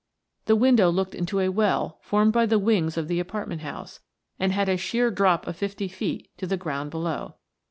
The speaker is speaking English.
The window looked into a well formed by the wings of the apartment house, and had a sheer drop of fifty feet to the ground below.